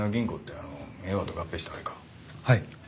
はい。